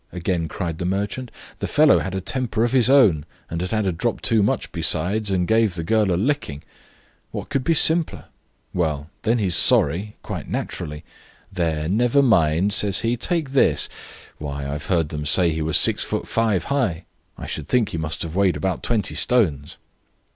again cried the merchant. "The fellow had a temper of his own, and had had a drop too much besides, and gave the girl a licking; what could be simpler? Well, then he's sorry quite naturally. 'There, never mind,' says he; 'take this.' Why, I heard them say he was six foot five high; I should think he must have weighed about 20 stones."